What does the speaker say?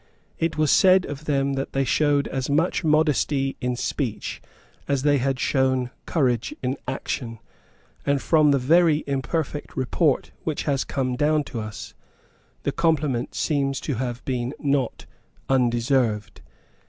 It was said of them that they showed as much modesty in speech as they had shown courage in action; and, from the very imperfect report which has come down to us, the compliment seems to have been not undeserved.